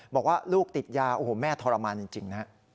บอกว่าลูกติดยาแม่ทรมานจริง